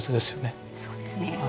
そうですね。